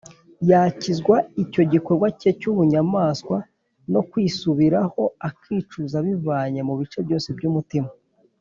yakizwa icyo gikorwa cye cy'ubunyamaswa no kwisubiraho akicuza abivanye mu bice byose by'umutima.